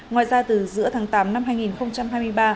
ngoài ra từ giữa tháng tám năm hai nghìn hai mươi ba